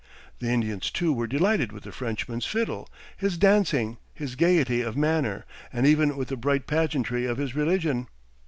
The Indians, too, were delighted with the Frenchman's fiddle, his dancing, his gayety of manner, and even with the bright pageantry of his religion.